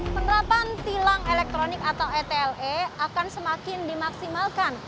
penerapan tilang elektronik atau etle akan semakin dimaksimalkan